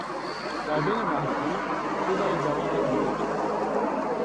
در بین محکومین، دو زن جوان هم دیده میشوند